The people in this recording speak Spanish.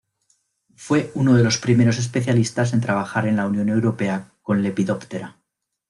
Fue uno de los primeros especialistas en trabajar en la Unión Europea con Lepidoptera.